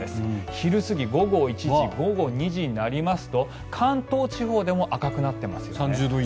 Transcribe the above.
昼過ぎ、午後１時午後２時になりますと関東地方でも赤くなっていますよね。